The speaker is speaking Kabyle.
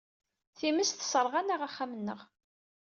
Times tesserɣ-aneɣ axxam-nneɣ.